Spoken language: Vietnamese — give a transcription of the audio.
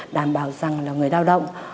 đảm bảo rằng là người lao động